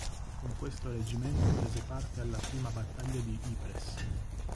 Con questo reggimento prese parte alla Prima battaglia di Ypres.